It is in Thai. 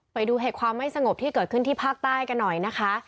ไปดูเหตุความไม่สงบที่เกิดขึ้นที่ภาคใต้กันหน่อยนะคะ